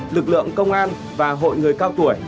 lực lượng công an và hội người cao tuổi